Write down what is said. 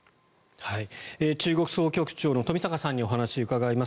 中国総局長の冨坂さんにお話を伺います。